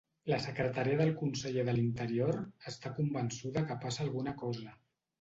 La secretària del conseller de l'Interior està convençuda que passa alguna cosa.